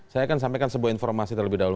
saya akan sampaikan sebuah informasi terlebih dahulu